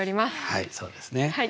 はいそうですね。